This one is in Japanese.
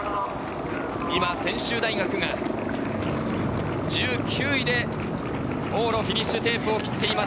専修大学が１９位で往路フィニッシュテープを切っています。